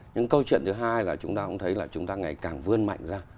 nhưng câu chuyện thứ hai là chúng ta cũng thấy là chúng ta ngày càng vươn mạnh ra